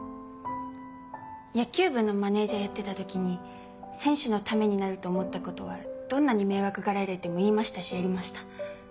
野球部のマネジャーやってた時に選手のためになると思ったことはどんなに迷惑がられても言いましたしやりました。